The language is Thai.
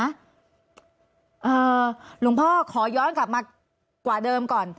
หลวงพ่อขอย้อนกลับมากว่าเดิมก่อน